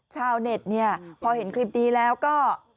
ชาวเน็ตเนี่ยพอเห็นคลิปนี้แล้วก็